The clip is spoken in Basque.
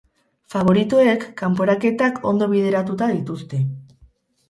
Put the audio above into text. Faboritoek, kanporaketak ondo bideratuta dituzte.